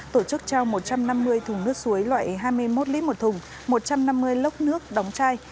tổ chức trao một trăm năm mươi thùng nước suối loại hai mươi một lít một thùng một trăm năm mươi lốc nước đóng chai